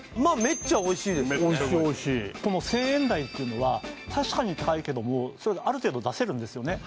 おいしいおいしいこの１０００円台っていうのは確かに高いけどもある程度出せるんですよね